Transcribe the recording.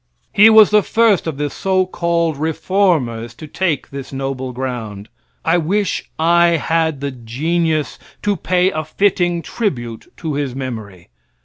He was the first of the so called reformers to take this noble ground. I wish I had the genius to pay a fitting tribute to his memory.